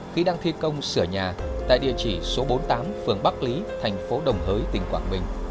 khi đang thi công sửa nhà tại địa chỉ số bốn mươi tám phường bắc lý thành phố đồng hới tỉnh quảng bình